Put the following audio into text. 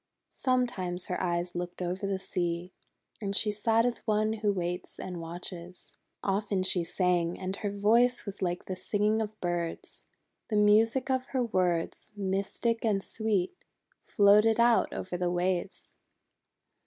Sometimes her eyes looked over the sea, and she sat as one who waits and watches. Often she sang, and her voice was like the singing of birds. The music of her words, mystic and sweet, floated out over the waves.